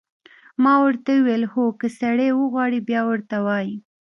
ما ورته وویل: هو، که سړی وغواړي، بیا ورته وایي.